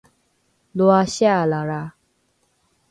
loa sialalra!